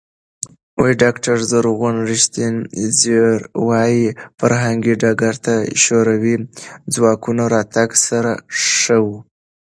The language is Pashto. ډاکټره زرغونه ریښتین زېور وايي، فرهنګي ډګر د شوروي ځواکونو راتګ سره ښه و.